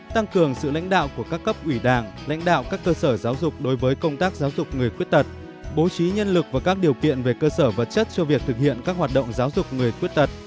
tăng cường sự lãnh đạo của các cấp ủy đảng lãnh đạo các cơ sở giáo dục đối với công tác giáo dục người khuyết tật bố trí nhân lực và các điều kiện về cơ sở vật chất cho việc thực hiện các hoạt động giáo dục người khuyết tật